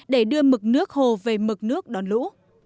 để đưa mực nước hồ về mực nước đón lũ